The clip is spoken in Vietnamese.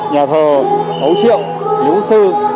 nhà thờ ấu triệu lưu sư